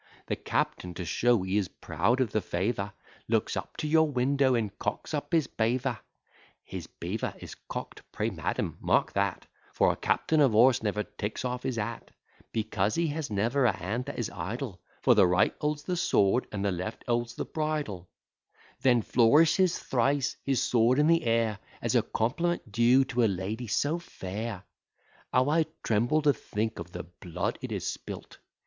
The captain, to show he is proud of the favour, Looks up to your window, and cocks up his beaver; (His beaver is cock'd: pray, madam, mark that, For a captain of horse never takes off his hat, Because he has never a hand that is idle, For the right holds the sword, and the left holds the bridle;) Then flourishes thrice his sword in the air, As a compliment due to a lady so fair; (How I tremble to think of the blood it has spilt!)